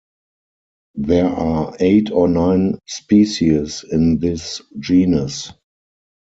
There are eight or nine species in this genus.